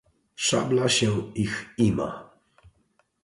"Szabla się ich ima."